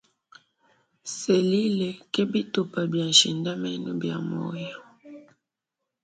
Selile ke bitupa bia nshindamenu bia muoyo.